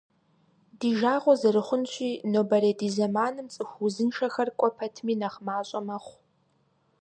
Ди жагъуэ зэрыхъунщи, нобэрей ди зэманым цӀыху узыншэхэр кӀуэ пэтми нэхъ мащӀэ мэхъу.